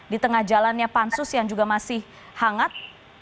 di tengah jalannya pansus yang juga masih hangat